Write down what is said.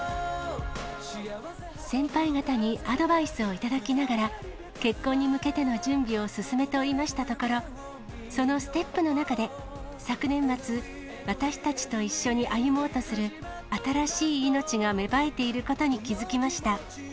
先輩方にアドバイスを頂きながら、結婚に向けての準備を進めておりましたところ、そのステップの中で昨年末、私たちと一緒に歩もうとする新しい命が芽生えていることに気付きました。